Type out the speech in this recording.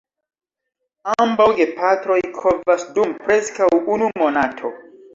Ambaŭ gepatroj kovas dum preskaŭ unu monato.